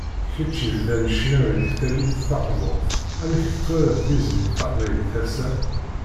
Kečč yebdan ccna deg tallit taqburt, amek tettwaliḍ tizlit taqbaylit ass-a?